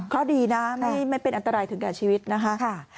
เพราะดีนะไม่เป็นอันตรายถึงแก่ชีวิตนะคะ